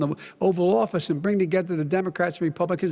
dia menunggu dan menunggu dan menunggu dia masih tidak memiliki rencana